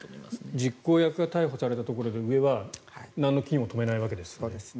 実行犯が逮捕されたところで上は気にも留めないわけですね。